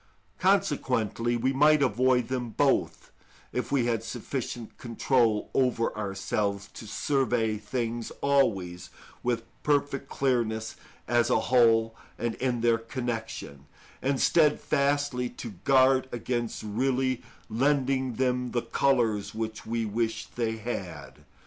Consequently we might avoid them both if we had sufficient control over ourselves to survey things always with perfect clearness as a whole and in their connection, and steadfastly to guard against really lending them the colours which we wish they had.